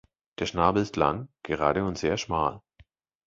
Der Schnabel ist lang, gerade und sehr schmal.